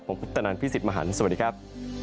ผมพุทธนันทร์พี่สิทธิ์มหันต์สวัสดีครับ